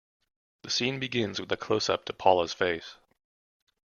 The scene begins with a closeup to Paula's face.